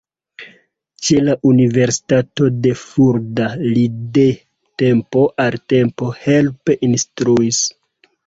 Ĉe la universitato de Fulda li de tempo al tempo helpe instruis.